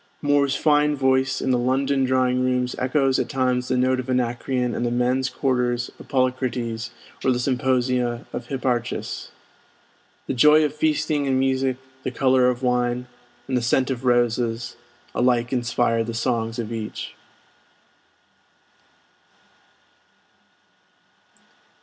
Moore's fine voice in the London drawing rooms echoes at times the note of Anacreon in the men's quarters of Polycrates or the symposia of Hipparchus. The joy of feasting and music, the color of wine, and the scent of roses, alike inspire the songs of each.